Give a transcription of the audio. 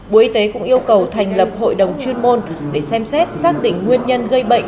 bộ y tế cũng yêu cầu thành lập hội đồng chuyên môn để xem xét xác định nguyên nhân gây bệnh